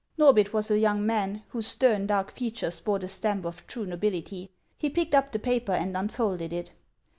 Norbith was a young man, whose stern, dark features bore the stamp of true nobility. He picked up the paper and unfolded it.